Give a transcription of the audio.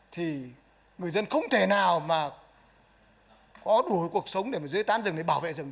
thì người dân không thể nào mà có đủ cuộc sống để mà dưới tán rừng để bảo vệ rừng